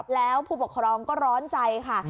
แล้วผู้ปกครองก็ร้อนใจค่ะ